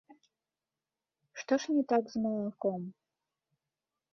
Што ж не так з малаком?